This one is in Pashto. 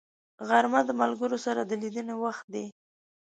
غرمه د ملګرو سره د لیدنې وخت دی